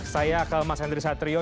saya ke mas henry satrio